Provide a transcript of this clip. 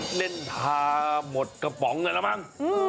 โอ้โหเล่นทาหมดกระป๋องนั่นละมั้ง